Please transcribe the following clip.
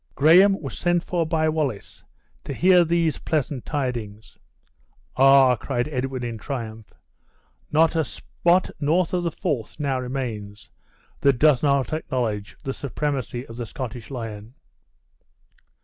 Graham was sent for by Wallace to hear these pleasant tidings. "Ah!" cried Edwin, in triumph, "not a spot north of the Forth now remains, that does not acknowledge the supremacy of the Scottish lion!"